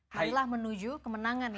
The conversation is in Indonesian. adalah menuju kemenangan ya